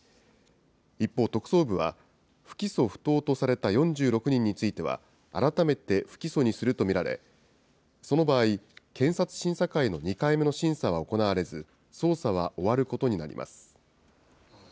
一方、特捜部は、不起訴不当とされた４６人については、改めて不起訴にすると見られ、その場合、検察審査会の２回目の審査は行われず、捜査は終わることになります。